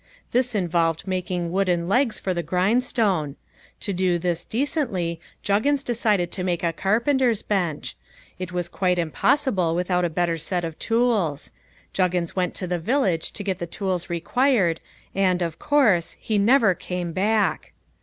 This involved making wooden legs for the grindstone. To do this decently Juggins decided to make a carpenter's bench. This was quite impossible without a better set of tools. Juggins went to the village to get the tools required, and, of course, he never came back.